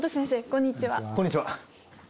こんにちは。